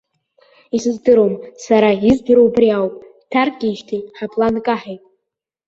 Исыздыруам, сара издыруа убри ауп, дҭаркижьҭеи ҳаплан каҳаит.